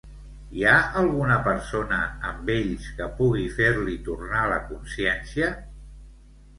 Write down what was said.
Hi ha alguna persona, amb ells, que pugui fer-li tornar la consciència?